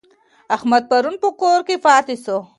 احمد پرون په کور کي پاته سو.